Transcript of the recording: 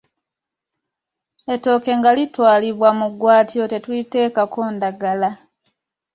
Ettooke nga litwalibwa mu ggwaatiro tetuliteekako ndagala.